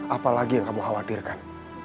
apalagi yang kamu khawatirkan